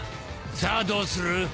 さあどうする？